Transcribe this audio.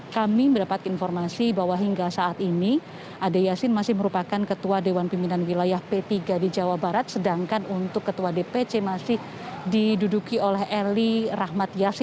kami mendapat informasi bahwa hingga saat ini ade yasin masih merupakan ketua dewan pimpinan wilayah p tiga di jawa barat sedangkan untuk ketua dpc masih diduduki oleh eli rahmat yasin